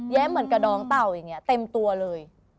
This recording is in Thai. เหมือนกระดองเต่าอย่างนี้เต็มตัวเลย